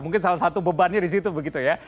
mungkin salah satu bebannya di situ begitu ya